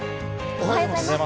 おはようございます。